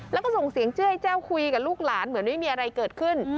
แล้วก็ส่งเสียงเจื้อให้แจ้วคุยกับลูกหลานเหมือนไม่มีอะไรเกิดขึ้น